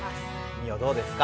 ミオどうですか？